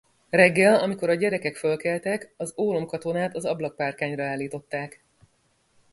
Reggel, amikor a gyerekek fölkeltek, az ólomkatonát az ablakpárkányra állították.